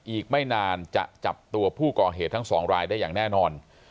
อีกไม่นานจะจับตัวผู้ก่อเหตุทั้งสองรายได้อย่างแน่นอน